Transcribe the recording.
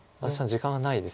時間がないです。